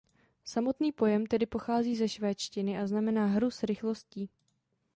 Samotný pojem tedy pochází ze švédštiny a znamená "hru s rychlostí".